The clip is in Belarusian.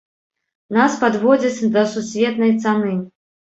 Нас падводзяць да сусветнай цаны.